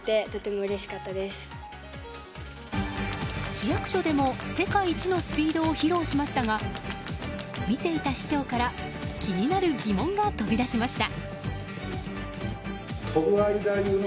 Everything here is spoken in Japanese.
市役所でも世界一のスピードを披露しましたが見ていた市長から気になるギモンが飛び出しました。